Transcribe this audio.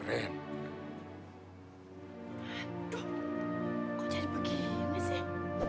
aduh kok jadi begini sih